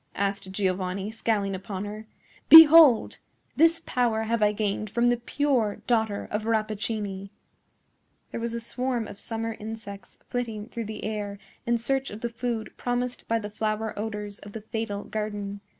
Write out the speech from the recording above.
asked Giovanni, scowling upon her. "Behold! this power have I gained from the pure daughter of Rappaccini." There was a swarm of summer insects flitting through the air in search of the food promised by the flower odors of the fatal garden.